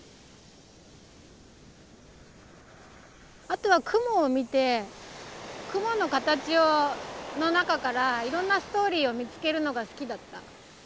あとは雲を見て雲の形の中からいろんなストーリーを見つけるのが好きだった。